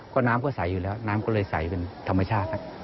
ก็น้ำก็ใสอยู่แล้วน้ำก็เลยใสเป็นธรรมชาติ